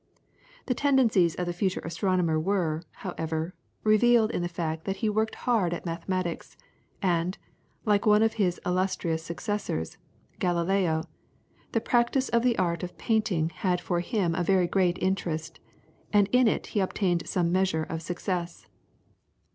The tendencies of the future astronomer were, however, revealed in the fact that he worked hard at mathematics, and, like one of his illustrious successors, Galileo, the practice of the art of painting had for him a very great interest, and in it he obtained some measure of success.